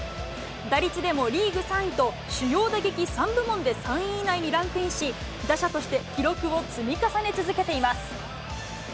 打率でもリーグ３位と、主要打撃３部門で３位以内にランクインし、打者として記録を積み重ね続けています。